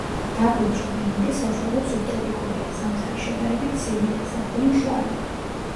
დაბლობში კლიმატი საშუალოდ სუბტროპიკულია, ზამთარი შედარებით ცივია, ზაფხული მშრალი.